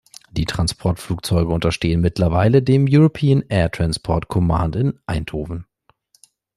Die Transportflugzeuge unterstehen mittlerweile dem European Air Transport Command in Eindhoven.